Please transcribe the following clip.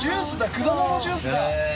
果物ジュースだ。